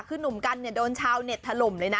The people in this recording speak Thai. คือหนุ่มกันโดนชาวเน็ตถล่ม